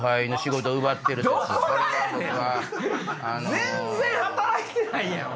全然働いてないやん俺。